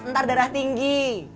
ntar darah tinggi